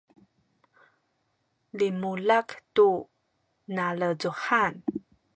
limulak tu nalecuhan